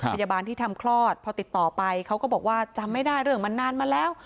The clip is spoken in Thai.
พยาบาลที่ทำคลอดพอติดต่อไปเขาก็บอกว่าจำไม่ได้เรื่องมันนานมาแล้ว